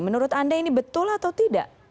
menurut anda ini betul atau tidak